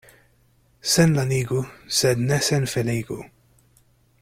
Senlanigu, sed ne senfeligu.